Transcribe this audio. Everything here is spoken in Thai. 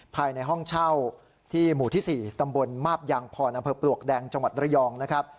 ภายในห้องเช่าที่หมู่ที่๔ตำบลมาพยังภนภพปลวกแดงจระยอง